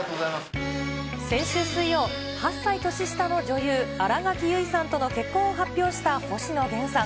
先週水曜、８歳年下の女優、新垣結衣さんとの結婚を発表した星野源さん。